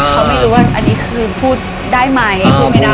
เขาไม่รู้ว่าอันนี้คือพูดได้ไหมพูดไม่ได้